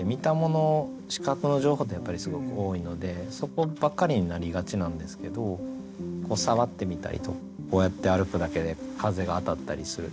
視覚の情報ってやっぱりすごく多いのでそこばかりになりがちなんですけど触ってみたりとかこうやって歩くだけで風が当たったりするじゃないですか。